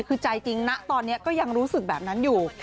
คือใจจริงนะตอนนี้ก็ยังรู้สึกแบบนั้นอยู่